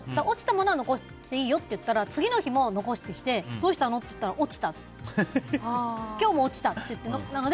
落ちたものは残していいよって言ったら次の日も残してきてどうしたの？って言ったら落ちたって。